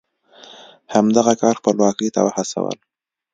همدغه کار خپلواکۍ ته وهڅول.